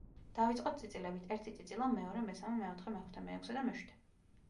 დავიწყოთ წიწილებით: ერთი წიწილა, მეორე, მესამე, მეოთხე, მეხუთე, მეექვსე და მეშვიდე.